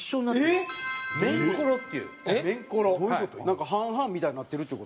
なんか半々みたいになってるっちゅう事？